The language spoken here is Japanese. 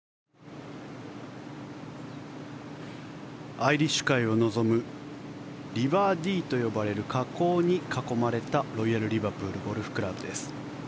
アイリッシュ海を望むリバー・ディーと呼ばれる河口に囲まれたロイヤル・リバプールゴルフクラブです。